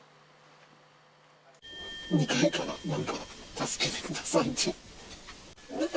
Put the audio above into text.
２階からなんか、助けてくださいって言ってて。